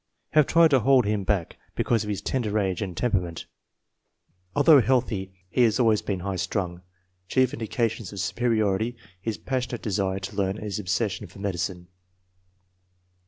" Have tried to hold hi back because of his tender age and temperament/' Al though healthy, he has always been high strung. Chief indications of superiority, his passionate desire to learn and his obsession for medicine.